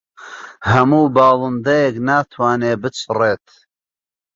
هەموو باڵندەیەک ناتوانێت بچڕێت.